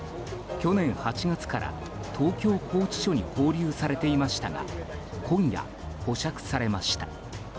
去年８月から東京拘置所に拘留されていましたが今夜、保釈されました。